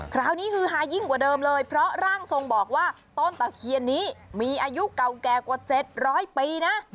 คราวนี้ฮือฮายิ่งกว่าเดิมเลยเพราะร่างทรงบอกว่าต้นตะเคียนนี้มีอายุเก่าแก่กว่า๗๐๐ปีนะ